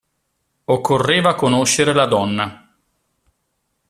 Occorreva conoscere la donna.